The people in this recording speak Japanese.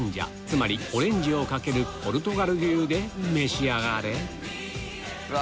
つまりオレンジをかけるポルトガル流で召し上がれうわ！